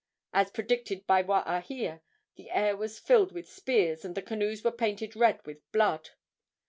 As predicted by Waahia, the air was filled with spears and the canoes were painted red with blood.